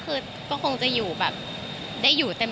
คุณก็ไม่รู้อาจจะถืออะไรอย่างนี้